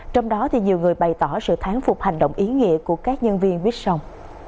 trong đó thì nhiều người bày tỏ sự tháng phục hành động ý nghĩa của các nhân viên viết sông